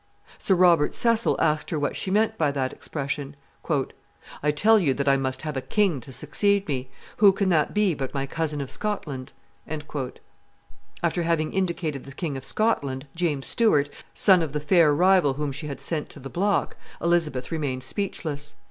Sir Robert Cecil asked her what she meant by that expression. "I tell you that I must have a king to succeed me; who can that be but my cousin of Scotland?" After having indicated the King of Scotland, James Stuart, son of the fair rival whom she had sent to the block, Elizabeth remained speechless.